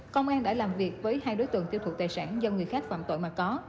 công an đã làm việc với hai đối tượng tiêu thụ tài sản do người khác phạm tội mà có